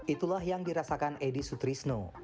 itulah yang dirasakan edi sutrisno